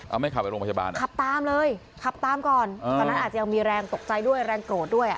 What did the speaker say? เอาไม่ขับไปโรงพยาบาลขับตามเลยขับตามก่อนตอนนั้นอาจจะยังมีแรงตกใจด้วยแรงโกรธด้วยอ่ะ